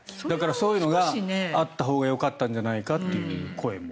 そういうのがあったほうがよかったんじゃないかという声も。